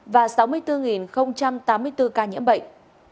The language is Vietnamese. và sáu mươi bốn tám mươi bốn ca nhiễm bệnh